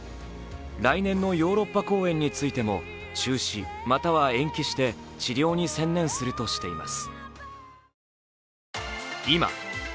来年のヨーロッパ公演についても中止または延期して治療に専念するとしています。